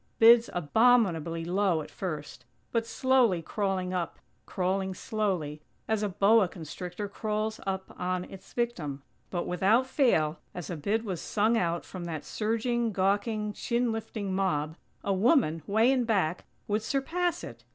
Bids abominably low at first, but slowly crawling up; crawling slowly, as a boa constrictor crawls up on its victim. But, without fail, as a bid was sung out from that surging, gawking, chin lifting mob, a woman, way in back, would surpass it!